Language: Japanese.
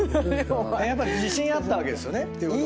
やっぱ自信あったわけですよね？